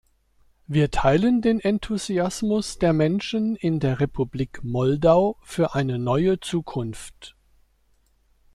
Wir teilten den Enthusiasmus der Menschen in der Republik Moldau für eine neue Zukunft.